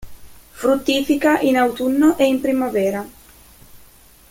Fruttifica in autunno e in primavera.